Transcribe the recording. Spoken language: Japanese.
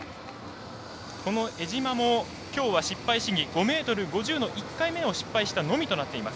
この江島も、きょうは失敗試技５ｍ５０の１回目を失敗したのみとなっています。